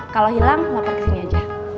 kalau hilang lapar kesini aja